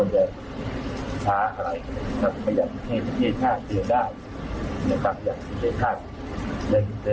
น่าจะดีไม่ดี